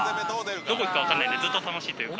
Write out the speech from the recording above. どこ行くか分からないのでずっと楽しいというか。